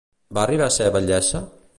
Va arribar a ser batllessa?